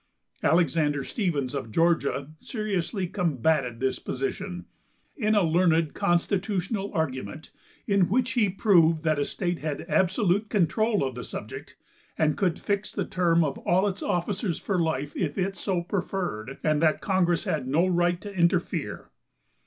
Alexander Stevens of Georgia seriously combatted this position, in a learned constitutional argument, in which he proved that a state had absolute control of the subject, and could fix the term of all its officers for life if it so preferred, and that congress had no right to interfere.